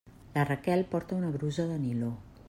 La Raquel porta una brusa de niló.